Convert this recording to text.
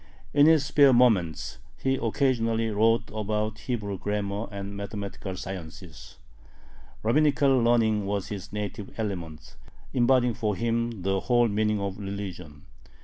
In his spare moments he occasionally wrote about Hebrew grammar and mathematical sciences. Rabbinical learning was his native element, embodying for him the whole meaning of religion.